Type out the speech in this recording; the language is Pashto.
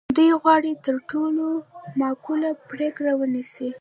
دوی غواړي تر ټولو معقوله پرېکړه ونیسي.